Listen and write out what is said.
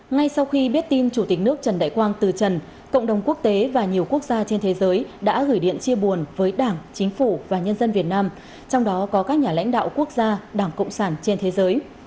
ngay sau khi biết tin chủ tịch nước trần đại quang từ trần cộng đồng quốc tế và nhiều quốc gia trên thế giới đã gửi điện chia buồn với đảng chính phủ và nhân dân việt nam trong đó có các nhà lãnh đạo quốc gia đảng cộng sản trên thế giới